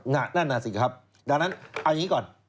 นั่นน่ะสิครับดังนั้นเอาอย่างนี้ก่อน